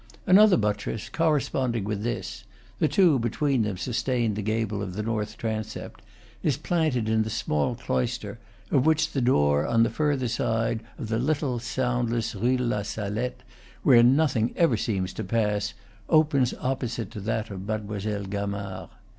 Another buttress, corresponding with this (the two, between them, sustain the gable of the north transept), is planted in the small cloister, of which the door on the further side of the little soundless Rue de la Psalette, where nothing seems ever to pass, opens opposite to that of Mademoiselle Gamard.